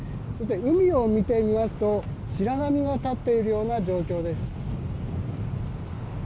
海を見てみますと、白波が立っているような状況です。